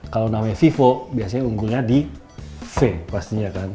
kalau namanya vivo biasanya unggulnya di v pastinya kan